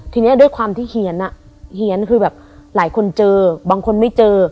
ทีนี้ด้วยความที่เฮียนอ่ะเฮียนคือแบบหลายคนเจอบางคนไม่เจอ